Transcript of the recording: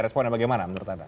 responnya bagaimana menurut anda